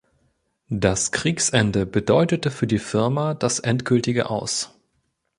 Das Kriegsende bedeutete für die Firma das endgültige Aus.